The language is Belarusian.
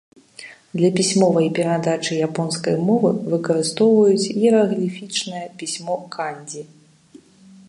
Для пісьмовай перадачы японскай мовы выкарыстоўваюць іерагліфічнае пісьмо кандзі.